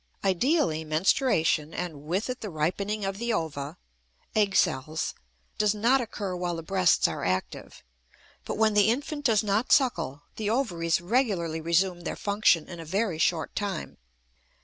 Ideally, menstruation, and with it the ripening of the ova (egg cells), does not occur while the breasts are active; but when the infant does not suckle, the ovaries regularly resume their function in a very short time.